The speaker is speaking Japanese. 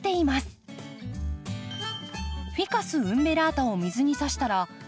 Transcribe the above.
フィカス・ウンベラータを水にさしたら根が出たとのこと。